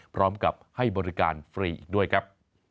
พร้อมกับให้บริการฟรีอีกด้วยครับ